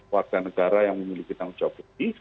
warga negara yang memiliki tanggung jawab putih